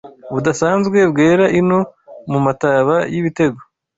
Budasanzwe bwera ino Mu mataba y’ibitego